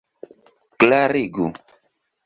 klarigu